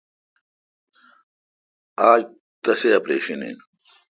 آج تسی اپریشن این ۔